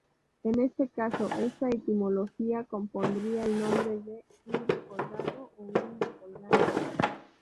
En este caso, esta etimología compondría el nombre de "Indio colgando" o "Indio colgante".